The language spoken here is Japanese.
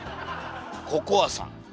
ココアさん。